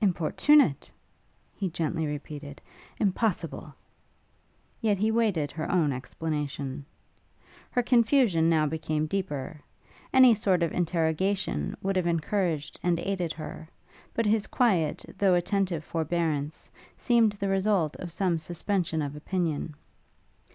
'Importunate?' he gently repeated, 'impossible!' yet he waited her own explanation. Her confusion now became deeper; any sort of interrogation would have encouraged and aided her; but his quiet, though attentive forbearance seemed the result of some suspension of opinion.